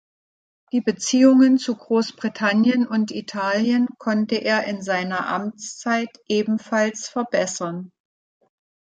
Die Beziehungen zu Großbritannien und Italien konnte er in seiner Amtszeit ebenfalls verbessern.